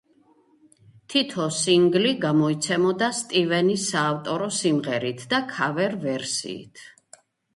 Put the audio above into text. თითო სინგლი გამოიცემოდა სტივენის საავტორო სიმღერით და ქავერ ვერსიით.